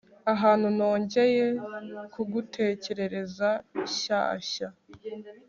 Ahantu nongeye kugutekereza shyashya